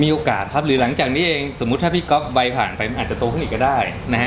โอกาสครับหรือหลังจากนี้เองสมมุติถ้าพี่ก๊อฟวัยผ่านไปมันอาจจะโตขึ้นอีกก็ได้นะฮะ